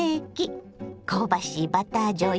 香ばしいバターじょうゆ